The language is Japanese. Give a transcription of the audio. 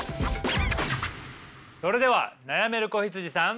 それでは悩める子羊さん。